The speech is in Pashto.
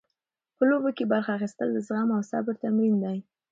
په لوبو کې برخه اخیستل د زغم او صبر تمرین دی.